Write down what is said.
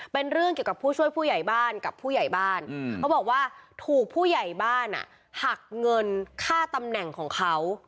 เป็นเรื่องเกี่ยวกับผู้ช่วยผู้ใหญ่บ้านกับผู้ใหญ่บ้านเขาบอกว่าถูกผู้ใหญ่บ้านหักเงินค่าตำแหน่งของเขา